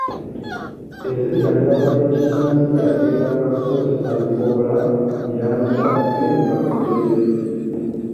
Enzijanjaba y'ekinnansi yasinganga kukozesa bikoola, mirandira n'ebipapajjo by'emiti.